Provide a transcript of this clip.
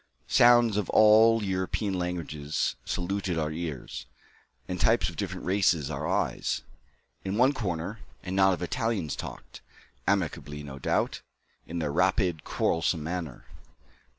Sounds of all European languages saluted our ears, and types of different races our eyes. In one corner, a knot of Italians talked, amicably no doubt, in their rapid, quarrelsome manner.